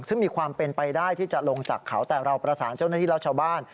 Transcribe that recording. ซึ่งมีความเป็นไปได้ที่จะลงจากเขาแต่เราประสานเจ้าหน้าที่และชาวบ้าน